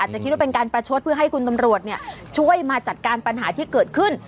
จะคิดว่าเป็นการประชดเพื่อให้คุณตำรวจช่วยมาจัดการปัญหาที่เกิดขึ้น